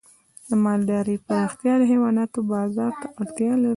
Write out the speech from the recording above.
د مالدارۍ پراختیا د حیواناتو بازار ته اړتیا لري.